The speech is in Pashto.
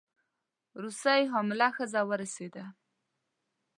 روسۍ حامله ښځه راورسېده.